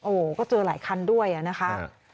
โอ้โหก็เจอหลายคันด้วยนะคะ